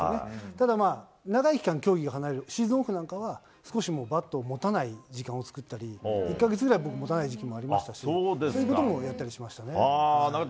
ただ、長い期間、競技から離れる、シーズンオフなんかは、少しもうバットを持たない時間を作ったり、１か月ぐらい、僕、持たない時期もありましたし。